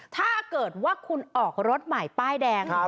ถ้าเกิดว่าคุณออกรถใหม่ป้ายแดง